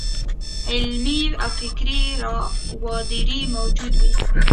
علمي او فکري راوداري موجوده وي.